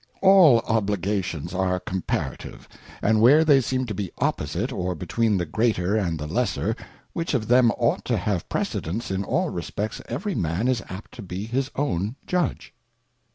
All Obligations are comparative, and where they seem to be opposite, or between the greater and the lesser, which of them ought to have precedence in all respects erery man is apt to be his own Judge.